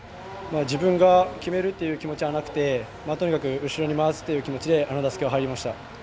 自分が決めるっていう気持ちはなくてとにかく後ろに回す気持ちで、あの打席は入りました。